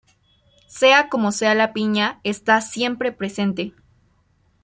Sea como sea la piña está siempre presente.